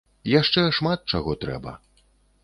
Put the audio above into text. Яшчэ шмат чаго трэба.